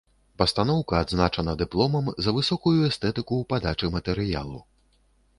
Пастаноўка адзначана дыпломам за высокую эстэтыку ў падачы матэрыялу.